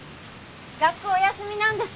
学校お休みなんです。